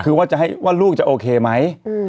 คือว่าจะให้ว่าลูกจะโอเคไหม